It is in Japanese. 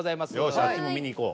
よしあっちも見に行こう。